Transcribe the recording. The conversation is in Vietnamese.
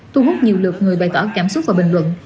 thu hút nhiều lượt người bày tỏ cảm xúc và bình luận